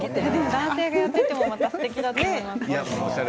男性がやっていてもまたすてきだと思います。